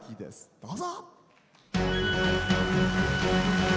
どうぞ。